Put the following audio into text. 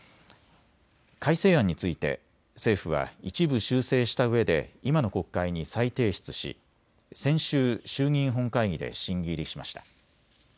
改正案について政府は一部修正したうえで今の国会に再提出し先週、衆議院本会議で審議入りしました。